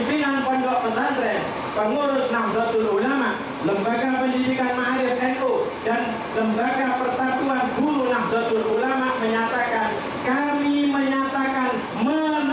lembaga pendidikan mahadev nu dan lembaga persatuan guru nahdlatul ulama